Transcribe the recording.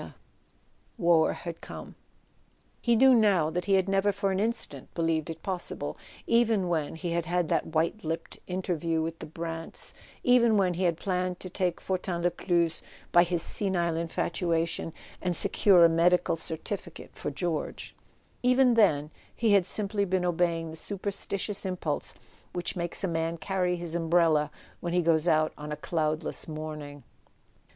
War had come He knew now that he had never for an instant be¬ lieved it possible. Even when he had had that white lipped interview with the Brants, even when he had [ 62 ] A SON AT THE FRONT planned to take Fortin Lescluze by bis senile infatua¬ tion, and secure a medical certificate for George; even then, he had simply been obeying the superstitious impulse which makes a m#,n carry his umbrella when he goes out on a cloudless morning.